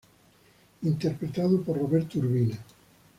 Interpretado por Roberto Urbina.